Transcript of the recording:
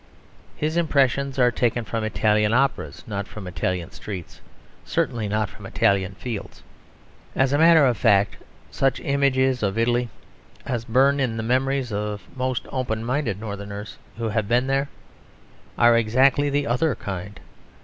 His impressions are taken from Italian operas; not from Italian streets; certainly not from Italian fields. As a matter of fact such images of Italy as burn in the memories of most open minded Northerners who have been there, are of exactly the other kind.